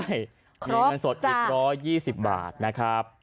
ใช่มีเงินสดอีก๑๒๐บาทนะครับ